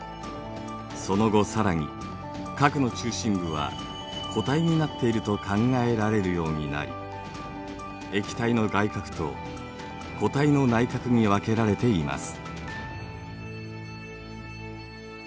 その後更に核の中心部は固体になっていると考えられるようになり液体の「外核」と固体の「内核」に分けられています。